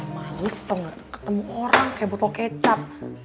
malis tau gak ketemu orang kayak botol kecap